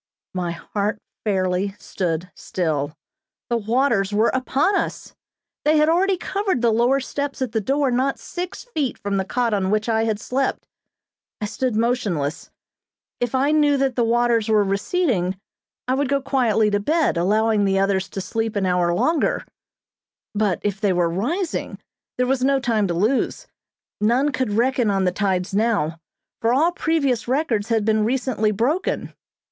My heart fairly stood still. The waters were upon us! They had already covered the lower steps at the door not six feet from the cot on which I had slept. I stood motionless. If I knew that the waters were receding, I would go quietly to bed, allowing the others to sleep an hour longer; but if they were rising there was no time to lose. None could reckon on the tides now, for all previous records had been recently broken.